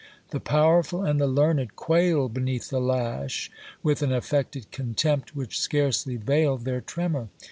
The powerful and the learned quailed beneath the lash with an affected contempt which scarcely veiled their tremor.